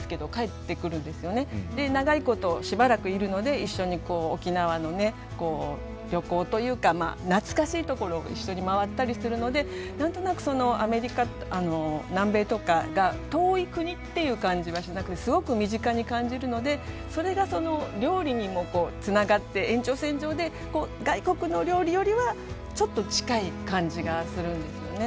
で長いことしばらくいるので一緒に沖縄の旅行というか懐かしいところを一緒に回ったりするので何となくその南米とかが遠い国っていう感じはしなくてすごく身近に感じるのでそれがその料理にもつながって延長線上で外国の料理よりはちょっと近い感じがするんですよね。